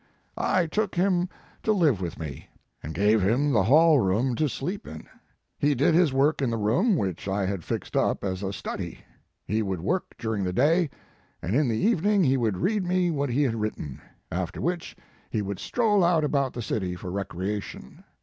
I took him to live with me, and gave him the hall room to sleep in. He did his work in the room which I had fixed up as a study. He would work during the day, and in the evening he would read me what he had written, after which he would stroll out about the city for recreation.